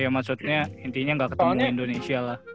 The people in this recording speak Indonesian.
ya maksudnya intinya gak ketemu indonesia lah